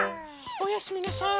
おやすみなさい。